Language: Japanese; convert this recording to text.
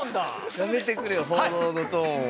やめてくれよ報道のトーンは。